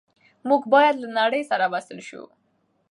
موږ باید له نړۍ سره وصل شو.